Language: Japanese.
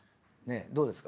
どうですか？